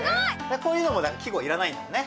こういうのも季語いらないんだよね？